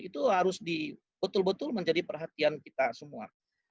itu harus di betul betul menjadi perhatian kita semua